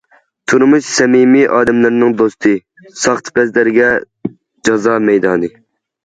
تۇرمۇش- سەمىمىي ئادەملەرنىڭ دوستى، ساختىپەزلەرگە جازا مەيدانى.